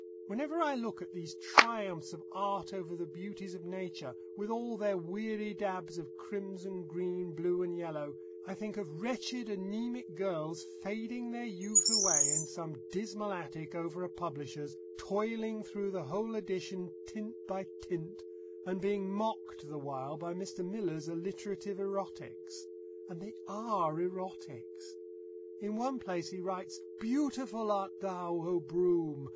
Whenever I look at these triumphs of art over the beauties of nature, with all their weary dabs of crimson, green, blue, and yellow, I think of wretched, anæmic girls fading their youth away in some dismal attic over a publisher's, toiling through the whole edition tint by tint, and being mocked the while by Mr. Miller's alliterative erotics. And they are erotics! In one place he writes, "Beautiful art thou, O Broom!